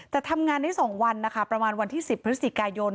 แต่ทำงานได้๒วันนะคะประมาณวันที่๑๐พฤศจิกายน